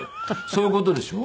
そういう事でしょ？